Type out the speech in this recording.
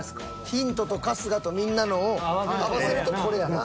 ヒントと春日とみんなのを合わせるとこれやな。